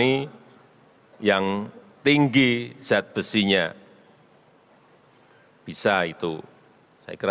seluruh saya ig kan mengindocar suffix nya jahitnya zone agro korea